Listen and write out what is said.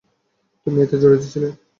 তুমি এতে জড়িত ছিলে।